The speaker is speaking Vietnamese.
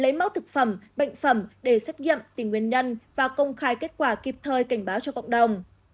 lấy mẫu thực phẩm bệnh phẩm để xét nghiệm tìm nguyên nhân và công khai kết quả kịp thời cảnh báo cho cộng đồng